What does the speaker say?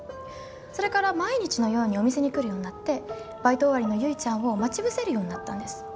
それから毎日のようにお店に来るようになってバイト終わりのゆいちゃんを待ち伏せるようになったんです。